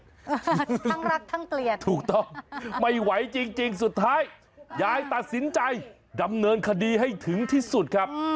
ทั้งรักทั้งเกลียดถูกต้องไม่ไหวจริงสุดท้ายยายตัดสินใจดำเนินคดีให้ถึงที่สุดครับ